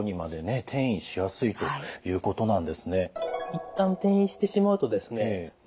一旦転移してしまうとですね